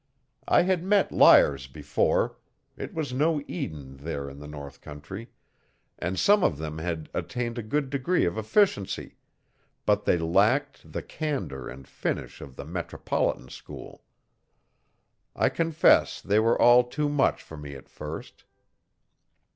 I had met liars before it was no Eden there in the north country and some of them had attained a good degree of efficiency, but they lacked the candour and finish of the metropolitan school. I confess they were all too much for me at first.